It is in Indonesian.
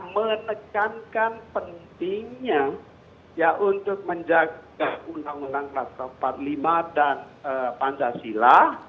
menekankan pentingnya untuk menjaga undang undang kelas empat puluh lima dan pancasila